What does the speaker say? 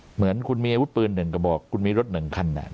เหมือนคุณมีไอ้วุดปืนหนึ่งกระบอกคุณมีรถหนึ่งคันเนี่ย